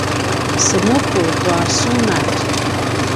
semupu tua sunatj